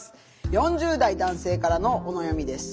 ４０代男性からのお悩みです。